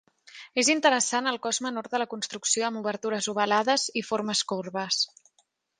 És interessant el cos menor de la construcció amb obertures ovalades i formes corbes.